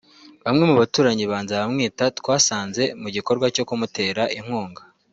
Bamwe mu baturanyi ba Nzabamwita twasanze mu gikorwa cyo kumutera inkunga